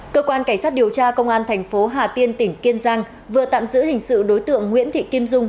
cơ quan cảnh sát điều tra công an thành phố hà tiên tỉnh kiên giang vừa tạm giữ hình sự đối tượng nguyễn thị kim dung